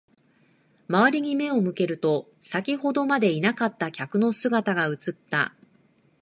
周りに目を向けると、先ほどまでいなかった客の姿が映った。